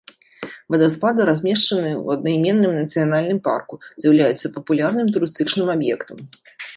Вадаспады размешчаны ў аднайменным нацыянальным парку, з'яўляюцца папулярным турыстычным аб'ектам.